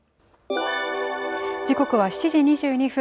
時刻は７時２２分。